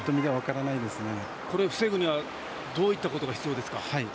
これを防ぐにはどういったことが必要ですか？